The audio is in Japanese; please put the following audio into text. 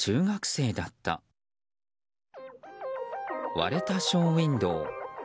割れたショーウィンドー。